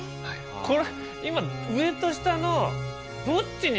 これ今上と下の。